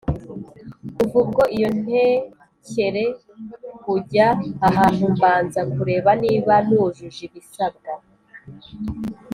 Kuva ubwo iyo ntekere kujya ahantu mbanza kureba niba nujuje ibisabwa